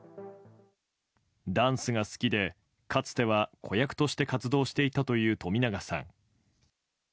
ダンスが好きでかつては子役として活動していたという冨永さん。